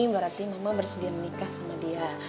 berarti mama bersedia menikah sama dia